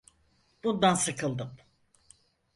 Bundan sıkıldım.